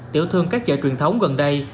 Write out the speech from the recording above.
tiểu thương các chợ truyền thống gần đây